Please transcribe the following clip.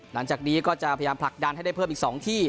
หลังจากนี้ก็จะพยายามผลักดันให้ได้เพิ่มอีก๒ที่